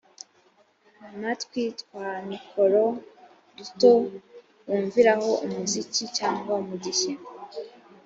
matwi twa mikoro duto bumviraho umuzika cyangwa mu gihe